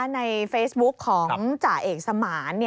ในเฟซบุ๊กของจ่าเอกสมาน